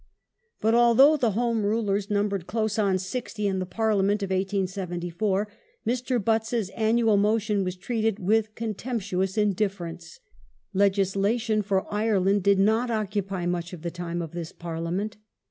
But al though the Home Rulers numbered close on sixty in the Parliament of 1874, Mr. Butt's annual motion was treated with contemptuous indifference. Legislation for Ireland did not occupy much of the time of this Parliament.